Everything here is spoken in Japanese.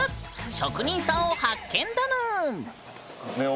職人さんを発見だぬん。